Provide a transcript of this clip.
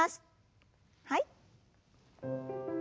はい。